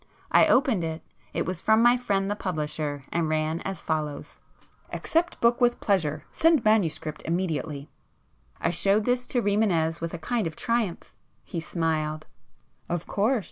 I opened it,—it was from my friend the publisher, and ran as follows— "Accept book with pleasure. Send manuscript immediately." I showed this to Rimânez with a kind of triumph. He smiled. "Of course!